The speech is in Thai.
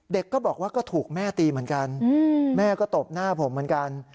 ก็บอกว่าก็ถูกแม่ตีเหมือนกันแม่ก็ตบหน้าผมเหมือนกัน